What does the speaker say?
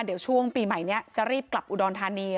เดี๋ยวช่วงปีใหม่นี้จะรีบกลับอุดรธานี